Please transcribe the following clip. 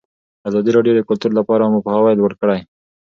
ازادي راډیو د کلتور لپاره عامه پوهاوي لوړ کړی.